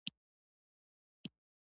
د ماش پوستکی د څه لپاره وکاروم؟